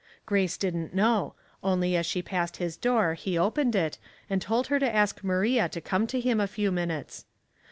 Grace didn't know, only as she passed his door he opened it, and told her to ask Maria to come to him a few minutes.